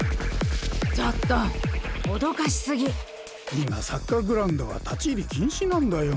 今サッカーグラウンドは立ち入りきんしなんだよ。